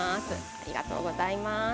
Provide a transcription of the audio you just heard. ありがとうございます。